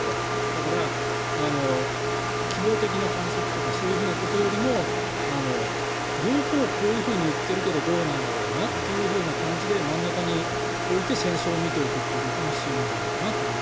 だから希望的な観測とかそういうことよりも両方はこういうふうに言っているけどどうなんだろうなっていう感じで真ん中に置いて戦争を見ておくということが必要なんじゃないかなって